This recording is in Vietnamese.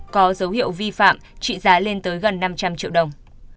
có dấu hiệu vi phạm trị giá lên tới gần năm trăm linh triệu đồng